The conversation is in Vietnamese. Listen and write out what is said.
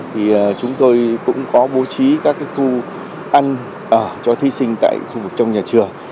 thì chúng tôi cũng có bố trí các khu ăn ở cho thí sinh tại khu vực trong nhà trường